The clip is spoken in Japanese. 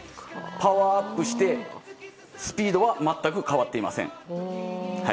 パワーアップしてスピードは全く変わっていません。